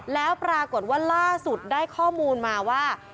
แล้วปรากฏว่าล่าสุดได้ข้อมูลมาว่า